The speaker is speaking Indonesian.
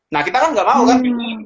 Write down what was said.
nah kita kan nggak mau kan